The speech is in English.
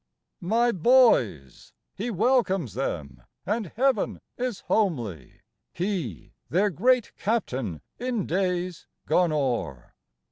My boys ! he welcomes them and Heaven is homely ; He, their great Captain in days gone o'er.